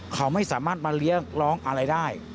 เขาไม่สามารถมาเรียกร้องอะไรได้